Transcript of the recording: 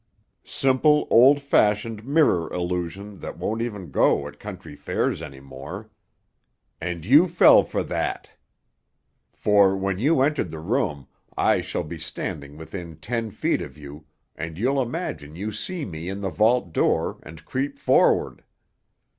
Simple, old fashioned mirror illusion that won't even go at country fairs any more. And you fell for that! For, when you enter the room, I shall be standing within ten feet of you, and you'll imagine you see me in the vault door, and creep forward.